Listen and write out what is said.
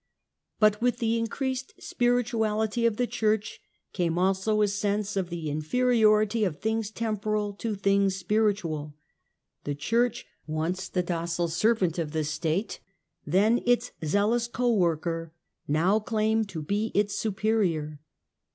But with the increased spirituality of the Church came also a sense of the inferiority of things temporal to things spiritual. The Church, once the docile servant of the State, then its zealous co worker, now claimed to be its superior.